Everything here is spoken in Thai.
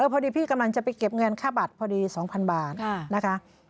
พอดีพี่กำลังจะไปเก็บเงินค่าบัตรพอดี๒๐๐๐บาทนะคะ